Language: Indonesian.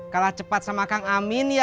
kalah cepat sama kang amin